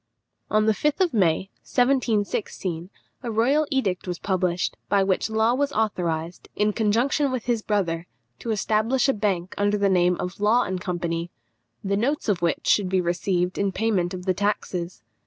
On the 5th of May, 1716, a royal edict was published, by which Law was authorised, in conjunction with his brother, to establish a bank under the name of Law and Company, the notes of which should be received in payment of the taxes.